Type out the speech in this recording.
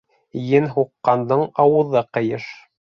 Ен һуҡҡандың ауыҙы ҡыйыш.